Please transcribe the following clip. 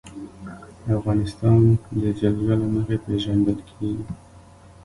افغانستان د جلګه له مخې پېژندل کېږي.